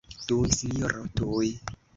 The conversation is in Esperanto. Tuj, sinjoro, tuj!